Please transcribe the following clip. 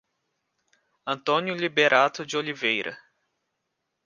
Antônio Liberato de Oliveira